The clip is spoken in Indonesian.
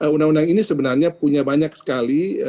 undang undang ini sebenarnya punya banyak sekali